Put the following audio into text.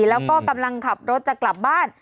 แล้วก็กำลังขับรถจะกลับบ้าน